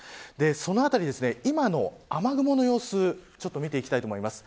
そのあたり、今の雨雲の様子を見ていきたいと思います。